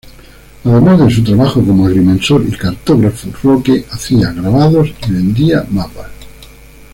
Además de su trabajo como agrimensor y cartógrafo, Roque hacía grabados y vendía mapas.